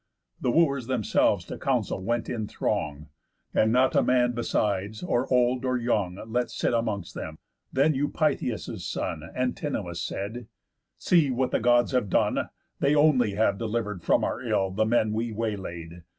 The Wooers themselves to council went in throng, And not a man besides, or old, or young, Let sit amongst them. Then Eupitheus' son, Antinous, said: "See, what the Gods have done! They only have deliver'd from our ill The men we way laid.